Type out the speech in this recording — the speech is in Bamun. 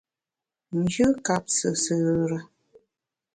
Njù kap sùsù re.